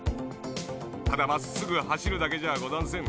ただまっすぐはしるだけじゃあござんせん。